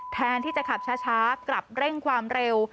แทนที่จะขับช้ากลับเร่งความเร็ว